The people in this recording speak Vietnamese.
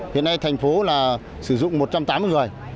hiện nay thành phố là sử dụng một trăm tám mươi người